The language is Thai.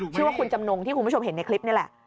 ชื่อว่าคุณจำนงที่คุณผู้ชมเห็นในคลิปนี่แหละ